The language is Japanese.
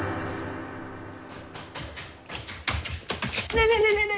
ねえねえねえねえ！